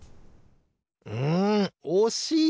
うんおしい！